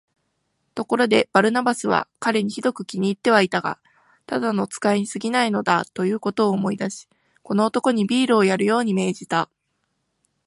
ところで、バルナバスは彼にひどく気に入ってはいたが、ただの使いにすぎないのだ、ということを思い出し、この男にビールをやるように命じた。